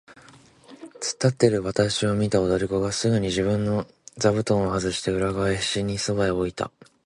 つっ立っているわたしを見た踊り子がすぐに自分の座布団をはずして、裏返しにそばへ置いた。